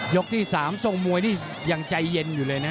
ที่๓ทรงมวยนี่ยังใจเย็นอยู่เลยนะ